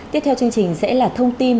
tiếp theo chương trình sẽ là thông tin